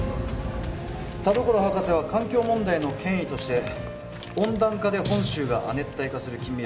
田所博士は環境問題の権威として「温暖化で本州が亜熱帯化する近未来に」